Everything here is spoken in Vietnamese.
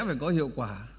phải có hiệu quả